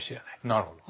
なるほど。